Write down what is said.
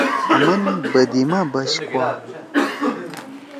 آمن بدی ما بچ کوا۔